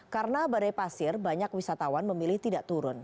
karena badai pasir banyak wisatawan memilih tidak turun